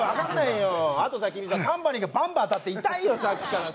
あとタンバリンがバンバン当たって痛いよ。